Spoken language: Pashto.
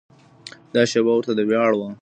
دا شېبه ورته د ویاړ وړ وه.